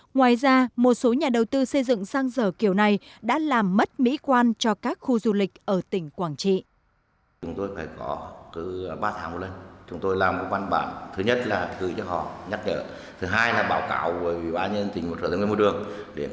ngoài ra một số nhà đầu tư xây dựng sang dở kiểu này đã làm mất mỹ quan cho các khu du lịch ở tỉnh quảng trị